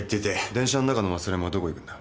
電車の中の忘れ物はどこ行くんだ？